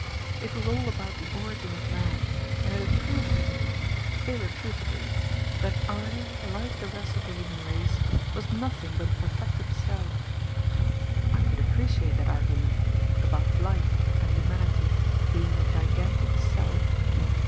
It was all about the origin of man, and it had proved to me — ^irrefuta bly — that I, like the rest of the human race, was nothing but a perfected cell. I could appreciate that argument — about life, and humanity, being a gigantic sell.